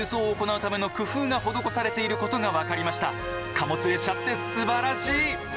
貨物列車ってすばらしい！